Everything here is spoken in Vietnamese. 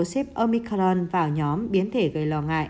xếp omicron vào nhóm biến thể gây lo ngại